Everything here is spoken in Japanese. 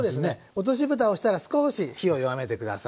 落としぶたをしたら少し火を弱めて下さい。